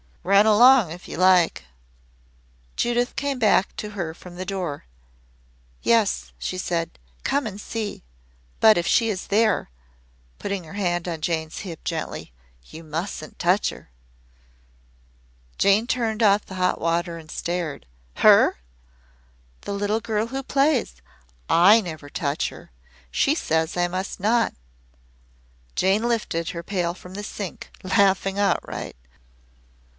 Run along if you like." Judith came back to her from the door. "Yes," she said, "come and see. But if she is there," putting her hand on Jane's hip gently, "you mustn't touch her." Jane turned off the hot water and stared. "Her!" "The little girl who plays. I never touch her. She says I must not." Jane lifted her pail from the sink, laughing outright.